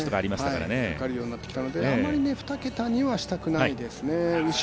かかるようになってきたのであまり２桁にはしたくないですね。